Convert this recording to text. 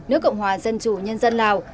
nước cộng hòa dân chủ nhân dân lào